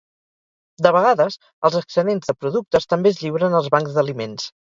De vegades, els excedents de productes també es lliuren als bancs d'aliments.